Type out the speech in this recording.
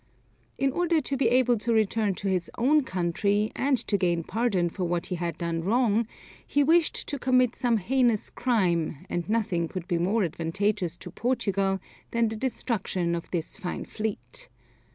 In order to be able to return to his own country and to gain pardon for what he had done wrong, he wished to commit some heinous crime, and nothing could be more advantageous to Portugal than the destruction of this fine fleet.